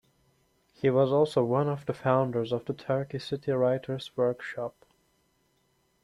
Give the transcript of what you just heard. He was also one of the founders of the Turkey City Writer's Workshop.